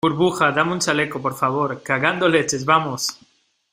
burbuja, dame un chaleco , por favor. cagando leches , vamos .